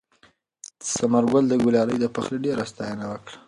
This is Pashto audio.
ثمرګل د ګلالۍ د پخلي ډېره ستاینه وکړه.